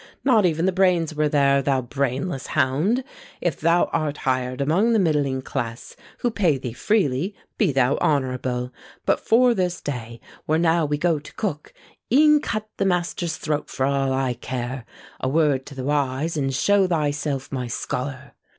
Not even the brains were there, thou brainless hound! If thou art hired among the middling class, Who pay thee freely, be thou honourable! But for this day, where now we go to cook, E'en cut the master's throat for all I care; "A word to th' wise," and show thyself my scholar!